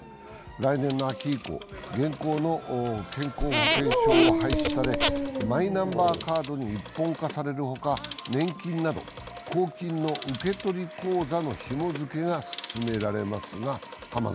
来年の秋以降現行の健康保険証は廃止されマイナンバーカードに一本化されるほか、年金など公金の受け取り口座のひも付けが進められます。